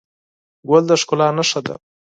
ګل د ښکلا نښه ده.